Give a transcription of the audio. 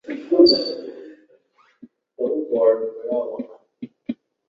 嘉庆二十年。